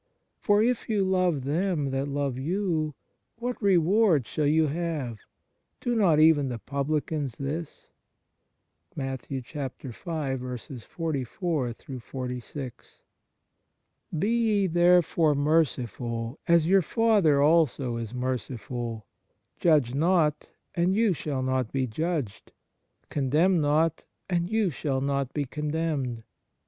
For if you love them that love you, what re ward shall you have ? do not even the publicans this P" 1 "Be ye therefore merciful, as your Father also is merciful. Judge not, and you shall not be judged. Condemn not, and you shall not be con demned.